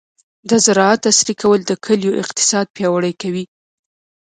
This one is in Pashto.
د زراعت عصري کول د کلیو اقتصاد پیاوړی کوي.